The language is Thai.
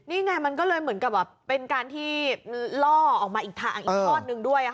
นี่ไงมันก็เลยเหมือนกับเป็นการที่ล่อออกมาอีกทางอีกทอดนึงด้วย